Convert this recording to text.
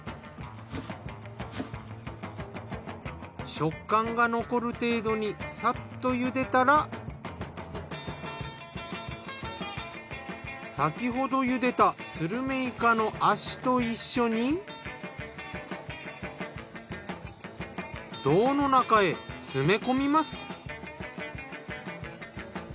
食感が残る程度にサッと茹でたら先ほど茹でたスルメイカの足と一緒に胴の中へ詰め込みます。